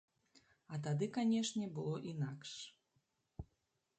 А тады, канешне было інакш.